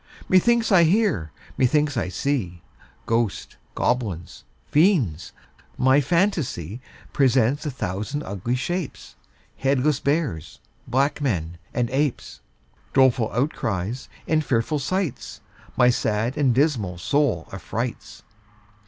Methinks I hear, methinks I see Ghosts, goblins, fiends; my phantasy Presents a thousand ugly shapes, Headless bears, black men, and apes, Doleful outcries, and fearful sights, My sad and dismal soul affrights.